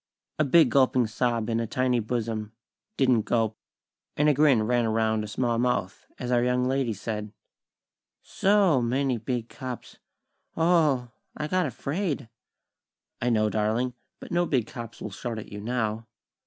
A big gulping sob in a tiny bosom didn't gulp; and a grin ran around a small mouth, as our young lady said: "So many big cops! O o o! I got afraid!" "I know, darling; but no big cops will shout at you now.